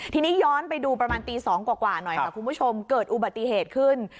ทีนี้ย้อนไปดูประมาณตี๒กว่าหน่อยค่ะคุณผู้ชมเกิดอุบัติเหตุขึ้น